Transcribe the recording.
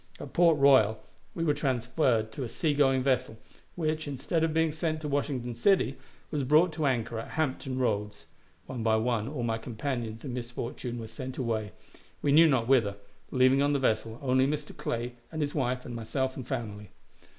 At Port Royal we were transferred to a sea going vessel, which, instead of being sent to Washington City, was brought to anchor at Hampton Roads. One by one all my companions in misfortune were sent away, we knew not whither, leaving on the vessel only Mr. Clay and his wife and myself and family.